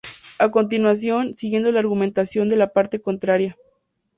A continuación, siguiendo la argumentación de la parte Contraria.